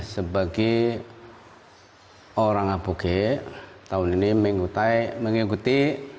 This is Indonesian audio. sebagai orang aboge tahun ini mengikuti